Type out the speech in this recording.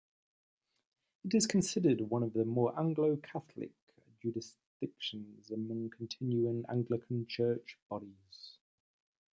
It is considered one of the more Anglo-Catholic jurisdictions among Continuing Anglican church bodies.